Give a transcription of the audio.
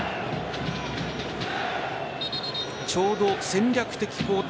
ちょうど戦略的交代。